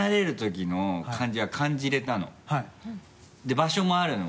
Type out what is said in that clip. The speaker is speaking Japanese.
場所もあるの。